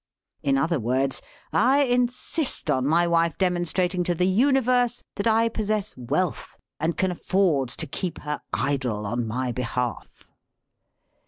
*' In other words : "I insist on my wife demonstrat ing to the universe that I possess wealth and can afford to keep her idle on my behalf."